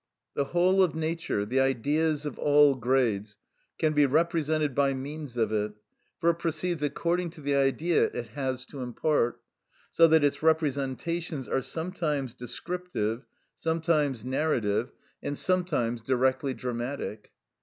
The whole of nature, the Ideas of all grades, can be represented by means of it, for it proceeds according to the Idea it has to impart, so that its representations are sometimes descriptive, sometimes narrative, and sometimes directly dramatic.